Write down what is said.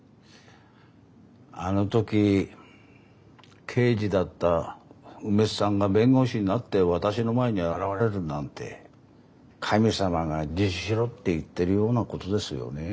あの時刑事だった梅津さんが弁護士になって私の前に現れるなんて神様が自首しろって言ってるようなことですよねえ。